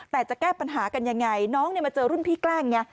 แต่จะแก้ปัญหากันยังไงน้องมาเจอรุ่นพี่แกล้งไง